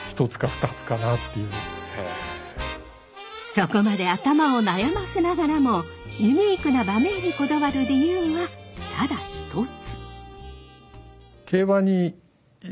そこまで頭を悩ませながらもユニークな馬名にこだわる理由はただ一つ。